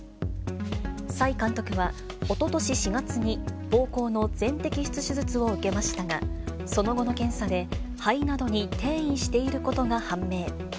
崔監督は、おととし４月にぼうこうの全摘出手術を受けましたが、その後の検査で、肺などに転移していることが判明。